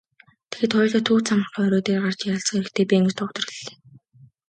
Тэгээд хоёулаа төв цамхгийн орой дээр гарч ярилцах хэрэгтэй байна гэж доктор хэллээ.